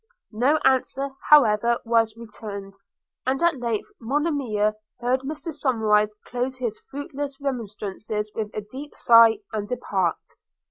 No answer however was returned; and at length Monimia heard Mr Somerive close his fruitless remonstrance with a deep sigh, and depart.